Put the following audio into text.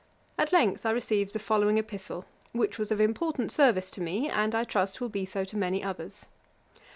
At length I received the following epistle, which was of important service to me, and, I trust, will be so to many others.